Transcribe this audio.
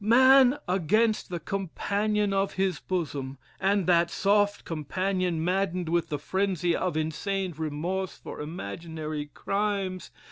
Man against the companion of his bosom! and that soft companion, maddened with the frenzy of insane remorse for imaginary crimes?